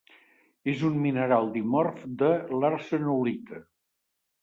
És un mineral dimorf de l'arsenolita.